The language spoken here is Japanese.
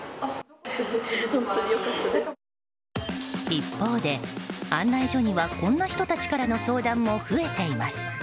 一方で案内所にはこんな人たちからの相談も増えています。